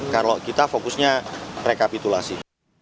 kalau kita fokusnya rekapitulasi